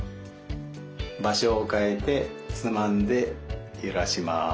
場所を変えてつまんでゆらします。